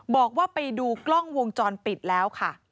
บอกว่าไปดูกล้องวงจรปิดแล้วค่ะ